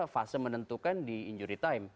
fase menentukan di injury time